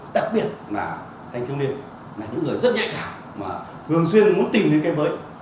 đặc biệt là thanh thương niên là những người rất nhạy cảm mà thường xuyên muốn tìm đến kênh với